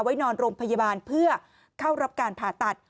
นอนโรงพยาบาลเพื่อเข้ารับการผ่าตัด